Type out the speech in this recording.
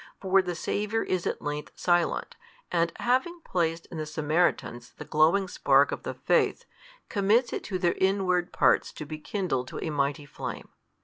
For the Saviour is at length silent, and having placed in the Samaritans the glowing spark of the faith, commits it to their inward parts to be kindled to a mighty flame.